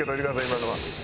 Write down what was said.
今のは。